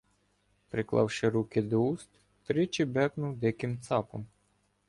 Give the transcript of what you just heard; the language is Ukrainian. Приклавши руки до уст, тричі бекнув диким цапом.